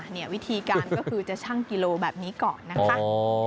เนี่ยวิธีการก็คือจะชั่งกิโลแบบนี้ก่อนนะคะ